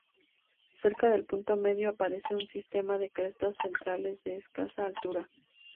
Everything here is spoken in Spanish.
Cerca del punto medio aparece un sistema de crestas centrales de escasa altura.